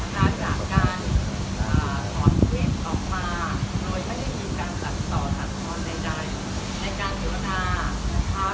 ระหว่างการสอนเทพต่อมาโดยจะได้มีการตัดสอบทางความใดใดในการเดี๋ยวหน้านะคะ